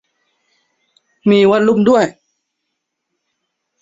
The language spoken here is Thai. มี วัดลุ่ม ด้วย !